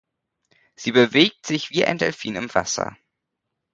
Sie bewegt sich wie ein Delfin im Wasser.